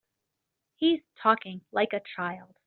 He's talking like a child.